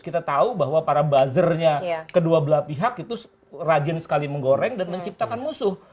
kita tahu bahwa para buzzernya kedua belah pihak itu rajin sekali menggoreng dan menciptakan musuh